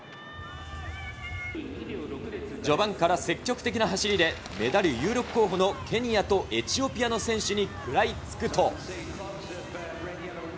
序盤から積極的な走りで、メダル有力候補のケニアとエチオピアの選手に食らいつくと。